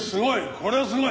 これはすごい！